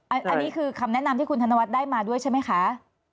อันนี้คือคำแนะนำที่คุณธนวัฒน์ได้มาด้วยใช่ไหมคะ